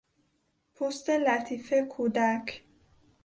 پوست لطیف کودک